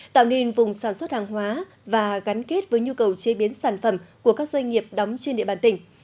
tạo nên vùng sản xuất hàng hóa và gắn kết với nhu cầu chế biến sản phẩm của các doanh nghiệp đóng trên địa bàn tỉnh